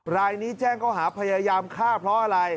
รายนี้แจ้งเขาหาพยายามฆ่าเพราะอะไร